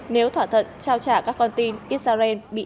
nếu thỏa thuận trao trả các con tin israel bị